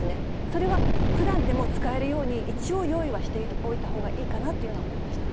それはふだんでも使えるように、一応用意はしておいたほうがいいかなというのは思いました。